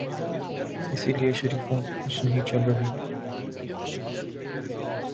اسی لیے شریفوں کی کچھ نہیں چل رہی۔